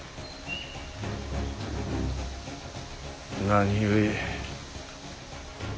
何故。